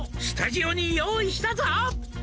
「スタジオに用意したぞ」